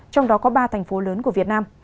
trong đó có ba thành phố lớn của việt nam